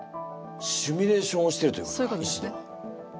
シミュレーションをしてるということか？